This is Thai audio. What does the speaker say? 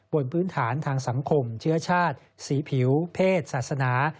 บนพื้นฐานทางสังคมเชื้อชาติสีผิวเพศศาสนา